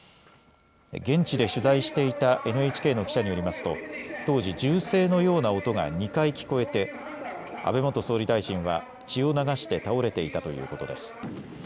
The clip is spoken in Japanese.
現地で取材していたＮＨＫの記者によりますと当時、銃声のような音が２回聞こえて安倍元総理大臣は血を流して倒れていたということです。